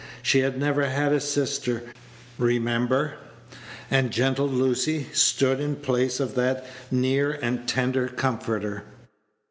She had never had a sister, remember, and gentle Lucy stood in place of that near and tender comforter.